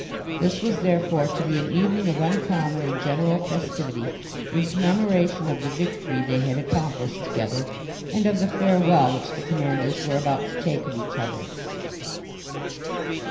This was therefore to be an evening of uncommon and general festivity, in commemoration of the victory they had accomplished together, and of the farewell which the commanders were about to take of each other.